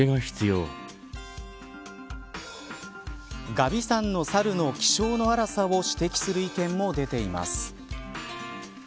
峨眉山のサルの気性の荒さを指摘する意見も出ています。